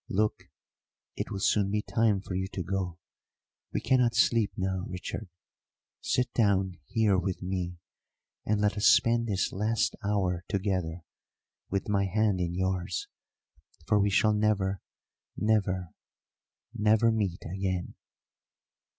Look, it will soon be time for you to go we cannot sleep now, Richard. Sit down here with me, and let us spend this last hour together with my hand in yours, for we shall never, never, never meet again."